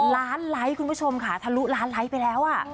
ล้านไลค์คุณผู้ชมค่ะทะลุล้านไลค์ไปแล้ว